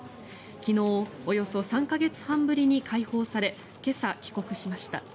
昨日、およそ３か月半ぶりに解放され今朝、帰国しました。